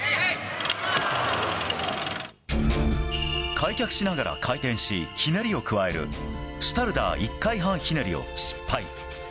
開脚しながら回転しひねりを加えるシュタルダー１回半ひねりを失敗。